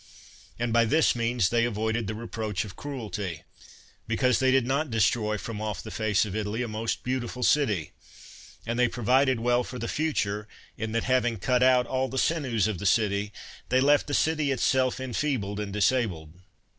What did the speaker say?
And by this means they avoided the reproach of cruelty, because they did not destroy from off the face of Italy a most beautiful city ; and they provided well for the future, in that, having cut out all the sinews of the city, they left the city itself enfeebled and disabled.